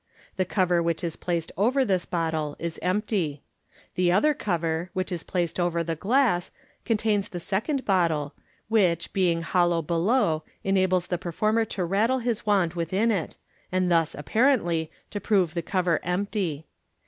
The cover which is placed over this bottle is empty. The other cover, which is placed over the glass, contains the second bottle, which, being hollow below, enables the performer to rattle his ^6 MODERN MAGIC. wand within it, and thus (apparently) to prove the cover empty.